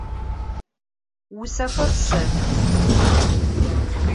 Vusexer setxı.